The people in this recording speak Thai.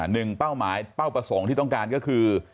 เป้าหมายเป้าประสงค์ที่ต้องการก็คือ